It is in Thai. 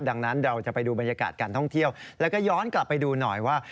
ดังนั้นเราจะไปดูบรรยากาศการท่องเที่ยวแล้วก็ย้อนกลับไปดูหน่อยว่า